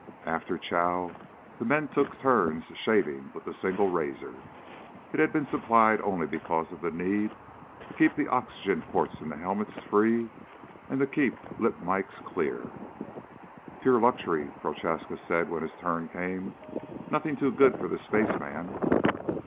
After chow the men took turns shaving with the single razor. It had been supplied only because of the need to keep the oxygen ports in the helmets free and to keep the lip mikes clear. "Pure luxury," Prochaska said when his turn came. "Nothing's too good for the spaceman."